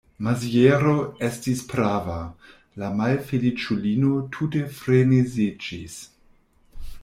Maziero estis prava: la malfeliĉulino tute freneziĝis.